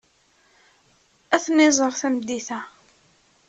Ad ten-iẓer tameddit-a.